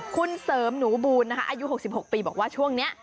คุณเสริมหนูบูลนะคะอายุ๖๖ปีบอกว่าช่วงนี้